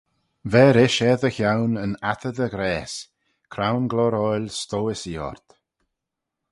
Ver ish er dty chione yn attey dy ghrayse: crown gloyroil stowys ee ort.